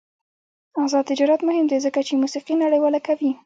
آزاد تجارت مهم دی ځکه چې موسیقي نړیواله کوي.